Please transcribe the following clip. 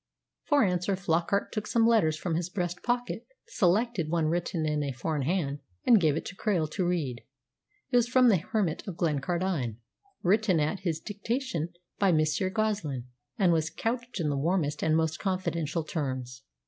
For answer, Flockart took some letters from his breast pocket, selected one written in a foreign hand, and gave it to Krail to read. It was from the hermit of Glencardine, written at his dictation by Monsieur Goslin, and was couched in the warmest and most confidential terms.